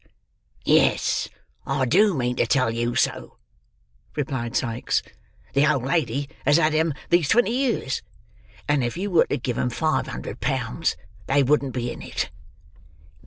"Yes, I do mean to tell you so," replied Sikes. "The old lady has had 'em these twenty years; and if you were to give 'em five hundred pound, they wouldn't be in it."